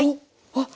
あっ。